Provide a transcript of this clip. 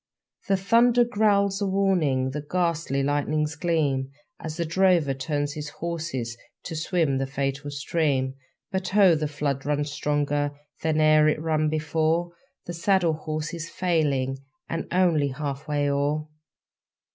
The thunder growls a warning, The ghastly lightnings gleam, As the drover turns his horses To swim the fatal stream. But, oh! the flood runs stronger Than e'er it ran before; The saddle horse is failing, And only half way o'er!